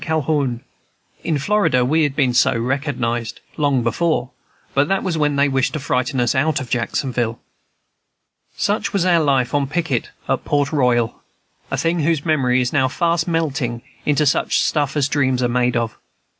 Calhoun. In Florida we had been so recognized long before; but that was when they wished to frighten us out of Jacksonville. Such was our life on picket at Port Royal, a thing whose memory is now fast melting into such stuff as dreams are made of.